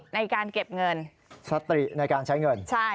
ในการเก็บเงินสติในการใช้เงิน